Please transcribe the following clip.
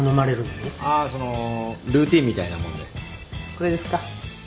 これですか？